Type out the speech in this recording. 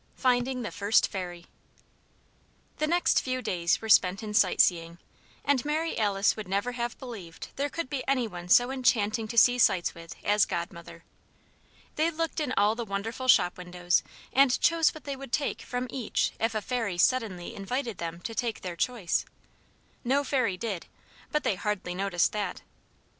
III FINDING THE FIRST FAIRY The next few days were spent in sightseeing; and Mary Alice would never have believed there could be any one so enchanting to see sights with as Godmother. They looked in all the wonderful shop windows and "chose" what they would take from each if a fairy suddenly invited them to take their choice. No fairy did; but they hardly noticed that.